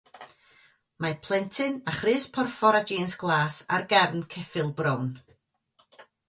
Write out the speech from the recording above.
Mae plentyn â chrys porffor a jîns glas ar gefn ceffyl brown.